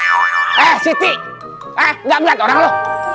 country sampai cuma kabar bro